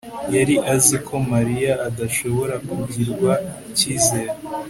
yari azi ko mariya adashobora kugirirwa ikizere